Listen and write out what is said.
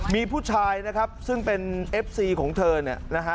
มีผู้ชายนะครับซึ่งเป็นเอฟซีของเธอเนี่ยนะฮะ